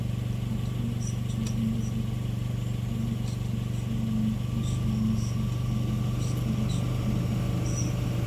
Art forms such as music, architecture and fashion also have much Spanish influence.